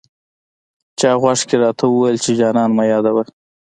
چا غوږ کي راته وويل، چي جانان مه يادوه